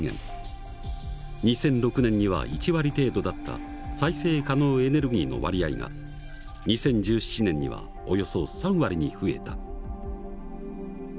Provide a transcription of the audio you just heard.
２００６年には１割程度だった再生可能エネルギーの割合が２０１７年にはおよそ３割に増えた。